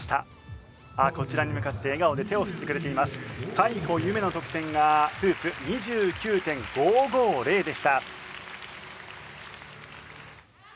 海保結愛の得点がフープ２９．５５０でした。